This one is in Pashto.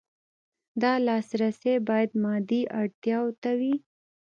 دا لاسرسی باید مادي اړتیاوو ته وي.